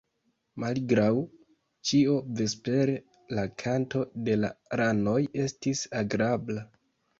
Malgraŭ ĉio, vespere la kanto de la ranoj estis agrabla.